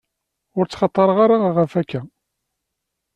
Ur ttxaṭareɣ ara ɣef akka.